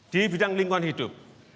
di bidang lingkuan hidup